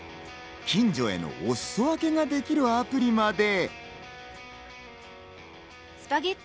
近所へのおすそ分けもできるアプリまで。